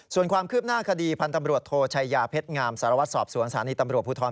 ส่วนความคืบหน้าคดีพันธ์ตำรวจโทชัยยาเพชรงามสารวัตรสอบสวนสถานีตำรวจภูทร